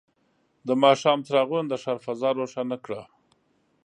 د ماښام څراغونه د ښار فضا روښانه کړه.